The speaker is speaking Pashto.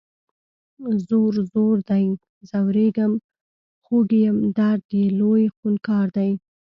ځور، ځور دی ځوریږم خوږ یم درد یې لوی خونکار دی